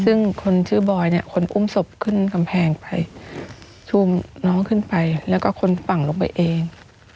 ซึ่งคนชื่อบอยเนี่ยคนอุ้มศพขึ้นกำแพงไปชูมน้องขึ้นไปแล้วก็คนฝั่งลงไปเอง